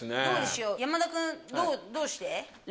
山田君どうして？